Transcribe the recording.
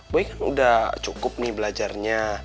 gue kan udah cukup nih belajarnya